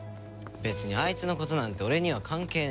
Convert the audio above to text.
別にあいつの事なんて俺には関係ねえし。